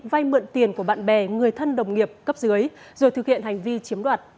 vay mượn tiền của bạn bè người thân đồng nghiệp cấp dưới rồi thực hiện hành vi chiếm đoạt